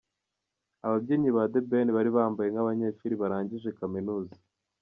Ababyinnyi ba The Ben bari bambaye nkabanyeshuri barangije kaminuza.